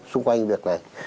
xung quanh việc này